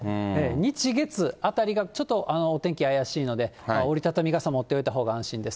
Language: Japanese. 日、月あたりが、ちょっとお天気怪しいので、折り畳み傘、持っておいたほうが安心です。